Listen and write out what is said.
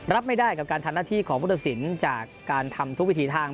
รับไม่ได้กับการทำหน้าที่ของพุทธศิลป์จากการทำทุกวิถีทาง